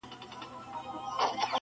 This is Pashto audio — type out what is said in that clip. o دا سړی ملامت نه بولم یارانو,